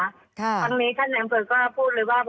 ซึ่งครั้งนี้ท่านแอนเฟอร์ก็พูดเลยว่า